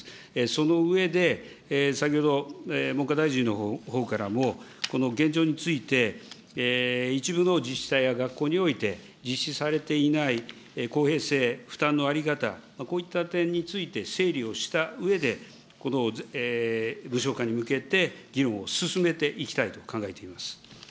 その上で、先ほど文科大臣のほうからも、この現状について、一部の自治体や学校において実施されていない公平性、負担の在り方、こういった点について整理をしたうえで、この無償化に向けて、議論を進めていきたいと考えています。